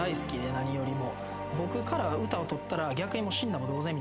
何よりも。